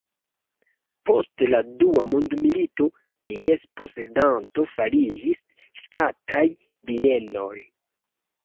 Post la dua mondmilito ties posedanto fariĝis Ŝtataj bienoj.